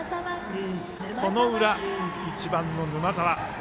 その裏、１番の沼澤。